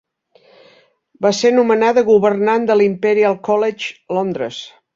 Va ser nomenada governant de l'Imperial College, Londres.